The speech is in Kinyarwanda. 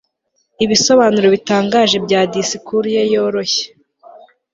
Ibisobanuro bitangaje bya disikuru ye yoroshye